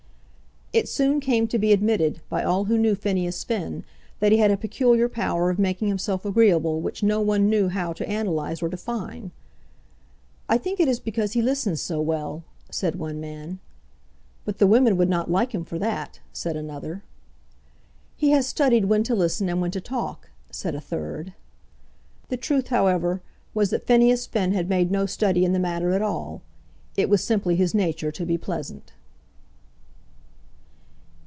It soon came to be admitted by all who knew Phineas Finn that he had a peculiar power of making himself agreeable which no one knew how to analyse or define. "I think it is because he listens so well," said one man. "But the women would not like him for that," said another. "He has studied when to listen and when to talk," said a third. The truth, however, was, that Phineas Finn had made no study in the matter at all. It was simply his nature to be pleasant.